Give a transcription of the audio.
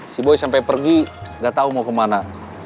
si boy sampai pergi gak tau mau kemana